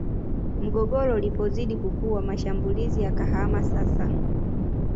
Mgogoro ulipozidi kukua mashambulizi yakahama sasa